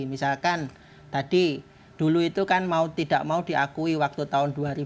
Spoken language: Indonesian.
misalkan tadi dulu itu kan mau tidak mau diakui waktu tahun dua ribu enam belas dan yang seterusnya